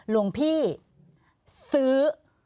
ลงพี่ซื้อ